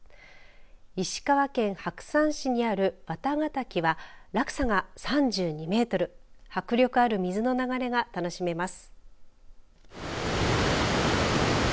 石川県白山市にある綿ヶ滝は落差が３２メートル迫力ある水の流れが楽しめます。